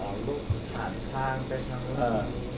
อ๋อลุกหัดทางไปทางลงมือ